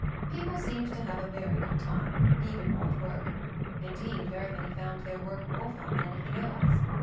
People seemed to have a very good time, even while at work ; indeed very many found their work more fun than anything else.